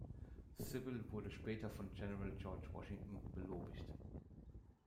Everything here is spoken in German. Sybil wurde später von General George Washington belobigt.